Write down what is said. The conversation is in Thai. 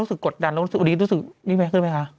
รู้สึกกดดันแล้วรู้สึกวันนี้รู้สึกยิ่งแม่ขึ้นไหมคะ